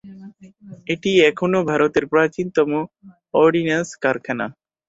এটি এখনও ভারতের প্রাচীনতম অর্ডিন্যান্স কারখানা।